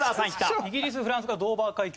イギリスフランスがドーヴァー海峡。